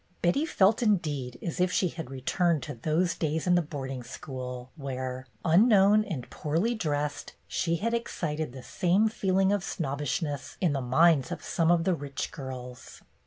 Betty felt indeed as if she had returned to those days in the boarding school where, un known and poorly dressed, she had excited the same feeling of snobbishness in the minds of some of the rich girls.